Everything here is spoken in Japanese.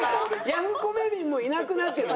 ヤフコメ民もいなくなってるの。